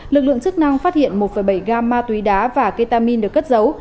lực lượng chức năng phát hiện một bảy gam ma túy đá và ketamin được cất giấu